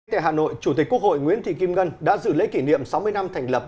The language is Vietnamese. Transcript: tại hà nội chủ tịch quốc hội nguyễn thị kim ngân đã dự lễ kỷ niệm sáu mươi năm thành lập